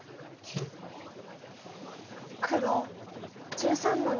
黒１３の二。